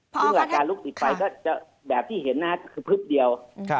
ซึ่งการลุกติดไฟก็จะแบบที่เห็นคือพึกเดียว